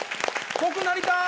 濃くなりたい。